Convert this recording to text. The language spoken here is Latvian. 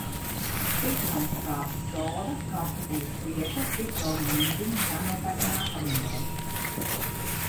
Citronskābe, soda, kartupeļu ciete, citrona miziņa - jānopērk nākamnedēļ.